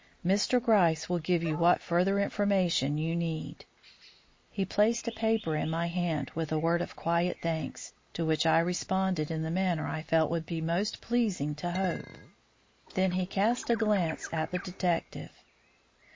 Mr. Gryce will give you what further information you need " He placed a paper in my hand with a word of quiet thanks, to which I responded in the manner I felt would be most pleasing to Hope. Then he cast a glance at the detective.